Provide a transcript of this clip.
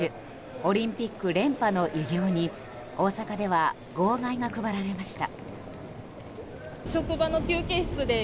オリンピック連覇の偉業に大阪では号外が配られました。